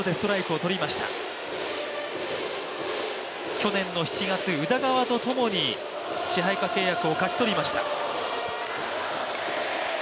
去年の７月、宇田川とともに支配下契約を勝ち取りました。